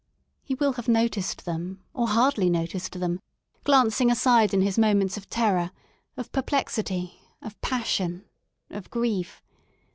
He will have noticed them, or hardly noticed them, glancing aside in his moments of terror, of per plexity, of passion, of grief.